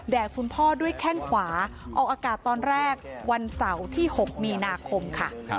คุณพ่อด้วยแข้งขวาออกอากาศตอนแรกวันเสาร์ที่๖มีนาคมค่ะ